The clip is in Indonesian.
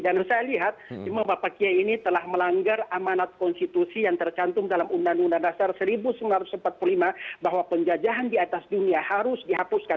dan saya lihat cuma bapak kiai ini telah melanggar amanat konstitusi yang tercantum dalam undang undang dasar seribu sembilan ratus empat puluh lima bahwa penjajahan di atas dunia harus dihakimi